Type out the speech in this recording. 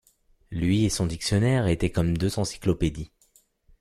Lui et son dictionnaire étaient comme deux encyclopédies.